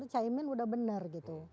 cak imin sudah benar gitu